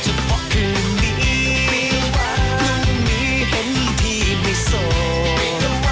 จะเพราะเคยมีคือมีเห็นที่ไม่โสด